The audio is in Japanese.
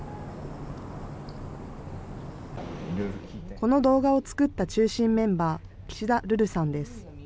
この動画を作った中心メンバー、岸田瑠々さんです。